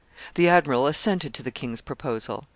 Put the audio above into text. The admiral assented to the king's proposal.